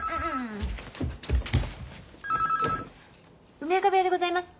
☎梅若部屋でございます。